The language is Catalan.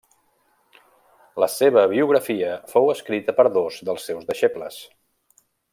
La seva biografia fou escrita per dos dels seus deixebles.